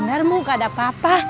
benarmu gak ada apa apa